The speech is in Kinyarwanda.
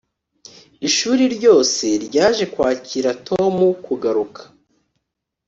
ishuri ryose ryaje kwakira tom kugaruka.